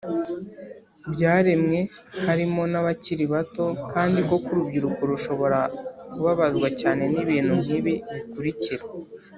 byaremwe harimo n abakiri bato Kandi koko urubyiruko rushobora kubabazwa cyane n ibintu nk ibi bikurikira